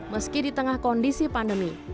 meski di tengah kondisi pandemi